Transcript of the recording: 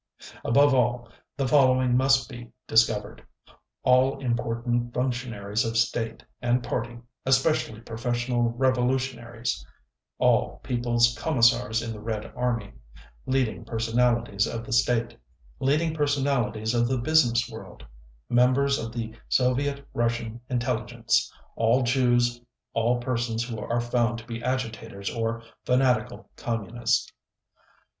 ." "Above all, the following must be discovered: all important functionaries of State and Party, especially professional revolutionaries ... all People's Commissars in the Red Army, leading personalities of the State ... leading personalities of the business world, members of the Soviet Russian Intelligence, all Jews, all persons who are found to be agitators or fanatical Communists.